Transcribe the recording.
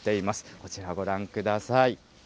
こちらをご覧ください。